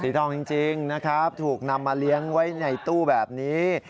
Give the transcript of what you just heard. ทองจริงนะครับถูกนำมาเลี้ยงไว้ในตู้แบบนี้